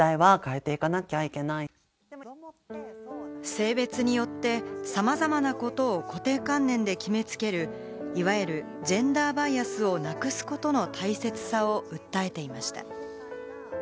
性別によってさまざまなことを固定観念で決めつける、いわゆるジェンダーバイアスをなくすことの大切さを訴えていました。